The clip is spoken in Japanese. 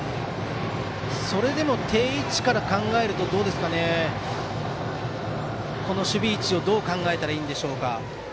それでも定位置から考えるとこの守備位置をどう考えたらいいですか。